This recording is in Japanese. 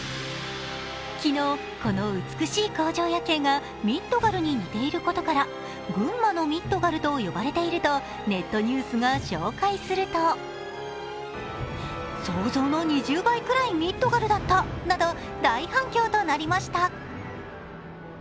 昨日、この美しい工場夜景がミッドガルに似ていることから群馬のミッドガルと呼ばれているとネットニュースが紹介すると想像の２０倍くらいミッドガルだったなど、大反響となりました。